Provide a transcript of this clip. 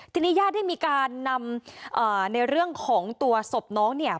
ทีนี้ญาติได้มีการนำในเรื่องของตัวศพน้องเนี่ย